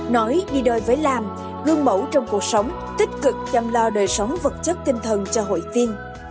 nói đi đôi với làm gương mẫu trong cuộc sống tích cực chăm lo đời sống vật chất tinh thần cho hội viên